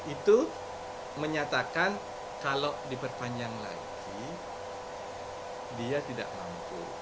itu menyatakan kalau diperpanjang lagi dia tidak mampu